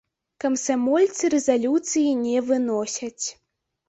Камсамольцы рэзалюцыі не выносяць.